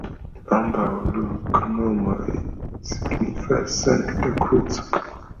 Ambaŭ loknomoj signifas: Sankta Kruco.